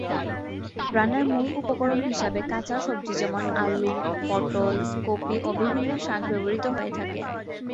রান্নার মূল উপকরণ হিসাবে কাঁচা সবজি যেমন আলু, পটল, কপি ও বিভিন্ন শাক ব্যবহৃত হয়ে থাকে।